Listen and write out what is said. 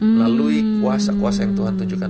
melalui kuasa kuasa yang tuhan tunjukkan